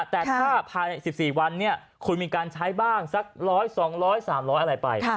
แต่ถ้าภายใน๑๔วันคุณมีการใช้บ้างสักร้อยสองร้อยสามร้อยอะไรไป